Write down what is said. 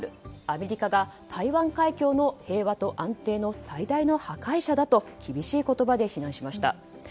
アメリカが台湾海峡の平和と安定の最大の破壊者だと厳しい言葉で非難しました。